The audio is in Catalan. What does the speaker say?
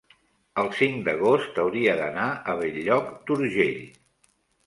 el cinc d'agost hauria d'anar a Bell-lloc d'Urgell.